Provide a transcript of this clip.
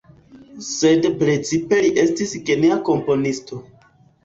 Sed precipe li estis genia komponisto.